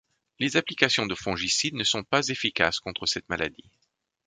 Les applications de fongicides ne sont pas efficaces contre cette maladie.